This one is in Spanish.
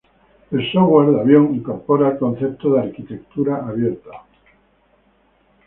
El software de avión incorpora el concepto de arquitectura abierta.